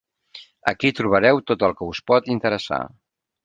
Aquí trobareu tot el que us pot interessar.